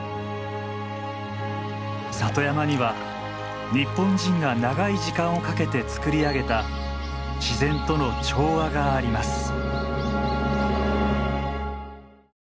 里山には日本人が長い時間をかけて作り上げた自然との調和があります。